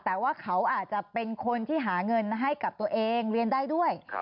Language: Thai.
แต่ว่าเขาอาจจะเป็นคนที่หาเงินให้กับตัวเองเรียนได้ด้วย